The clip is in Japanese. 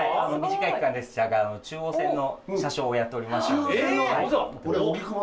短い期間でしたが中央線の車掌をやっておりました。